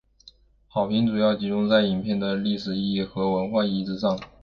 好评主要集中在影片的历史意义和文化意义之上。